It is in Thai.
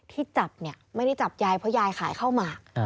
ที่จับเนี่ยไม่ได้จับยายเพราะยายขายข้าวหมาก